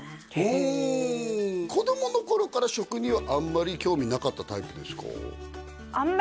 ほう子供の頃から食にはあんまり興味なかったタイプですか？